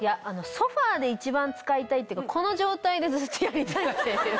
ソファで一番使いたいっていうかこの状態でずっとやりたいっていう。